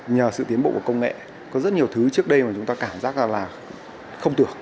nhờ sự tiến bộ của công nghệ có rất nhiều thứ trước đây mà chúng ta cảm giác là không tưởng